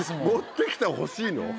持ってきてほしいの？